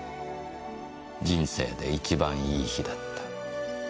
「人生で一番いい日だった」。